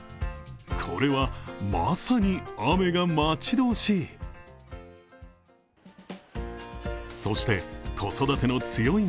これはまさに、雨が待ち遠しい。